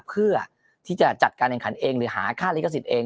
เพื่อที่จะจัดการแข่งขันเองหรือหาค่าลิขสิทธิ์เอง